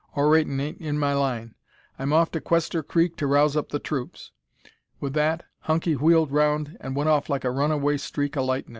Oratin' ain't in my line. I'm off to Quester Creek to rouse up the troops.' Wi' that Hunky wheeled round an' went off like a runaway streak o' lightnin'.